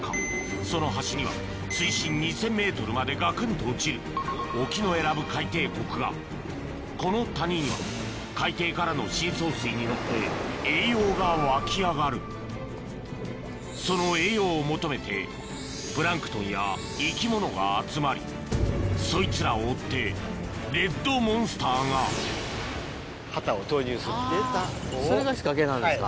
その端には水深２０００ｍまでガクンと落ちる沖永良部海底谷がこの谷には海底からの深層水に乗って栄養がわき上がるその栄養を求めてプランクトンや生き物が集まりそいつらを追ってレッドモンスターがそれが仕掛けなんですか。